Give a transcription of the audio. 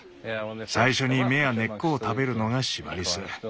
最初に芽や根っこを食べるのがシマリス。